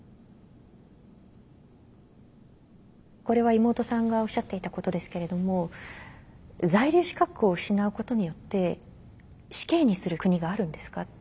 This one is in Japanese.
これは妹さんがおっしゃっていたことですけれども「在留資格を失うことによって死刑にする国があるんですか」